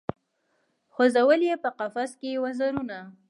خو ځول یې په قفس کي وزرونه